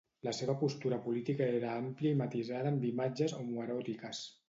La seva postura política era àmplia i matisada amb imatges homoeròtiques.